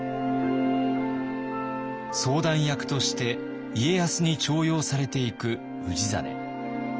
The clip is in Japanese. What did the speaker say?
相談役として家康に重用されていく氏真。